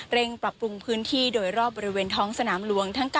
ปรับปรุงพื้นที่โดยรอบบริเวณท้องสนามหลวง